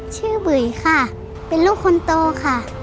บุ๋ยค่ะเป็นลูกคนโตค่ะ